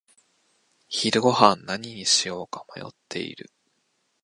昼ごはんは何にしようか迷っている。